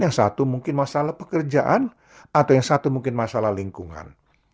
yang satu mungkin masalah pekerjaan atau yang satu mungkin masalah lingkungan